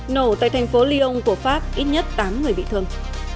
nổ tại thành phố lyon của pháp ít nhất tám người bị thương